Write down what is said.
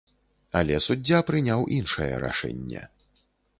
Але суддзя прыняў іншае рашэнне.